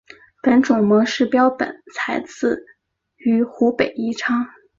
本种模式标本采自于湖北宜昌。